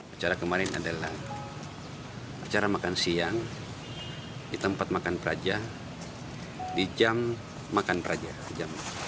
acara kemarin adalah acara makan siang di tempat makan peraja di jam makan peraja